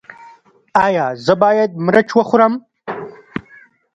ایا زه باید مرچ وخورم؟